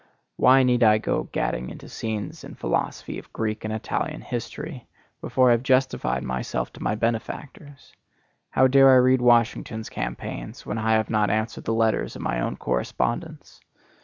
Why need I go gadding into the scenes and philosophy of Greek and Italian history before I have justified myself to my benefactors? How dare I read Washington's campaigns when I have not answered the letters of my own correspondents?